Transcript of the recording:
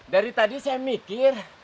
dari tadi saya mikir